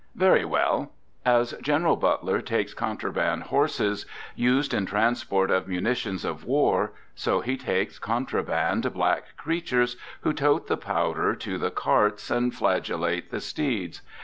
Very well! As General Butler takes contraband horses used in transport of munitions of war, so he takes contraband black creatures who tote the powder to the carts and flagellate the steeds.